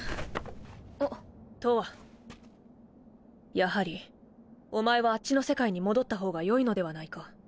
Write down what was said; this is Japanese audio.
やはりおまえはあっちの世界に戻った方がよいのではないか？